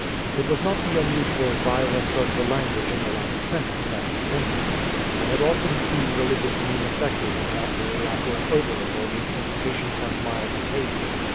It was not the unusual violence of the language in the last sentence that convinced me. I had often seen religious men affected in that way after an over indulgence in patience and mild behavior.